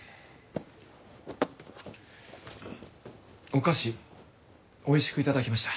お菓子おいしく頂きました。